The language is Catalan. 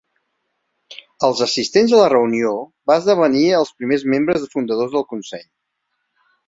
Els assistents a la reunió va esdevenir els primers membres fundadors del consell.